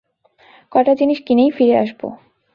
কটা জিনিস কিনেই ফিরে আসব।